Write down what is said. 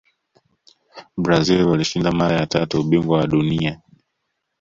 brazil walishinda mara ya tatu ubingwa wa dunia